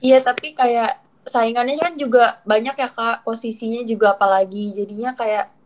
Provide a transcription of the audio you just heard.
iya tapi kayak saingannya kan juga banyak ya kak posisinya juga apalagi jadinya kayak